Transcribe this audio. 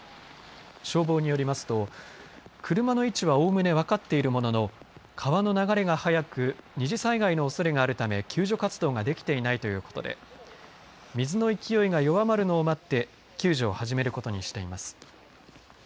消防によりますと車の位置はおおむね分かっているものの川の流れが速く二次災害のおそれがあるため救助活動ができていないということで水の勢いが弱まるのを待って救助を始めることにしています。